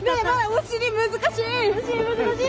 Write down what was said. お尻難しい。